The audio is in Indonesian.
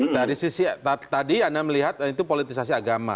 dari sisi tadi anda melihat itu politisasi agama